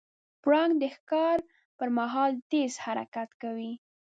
پړانګ د ښکار پر مهال تیز حرکت کوي.